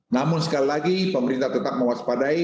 namun sekali lagi pemerintah tetap mewaspadai